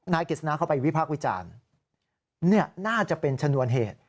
กฤษณะเข้าไปวิพากษ์วิจารณ์น่าจะเป็นชนวนเหตุ